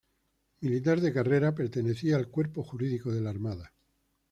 Militar de carrera, pertenecía al Cuerpo Jurídico de la Armada.